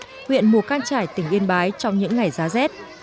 huyện mù căng trải tình yên bái trong những ngày giá rét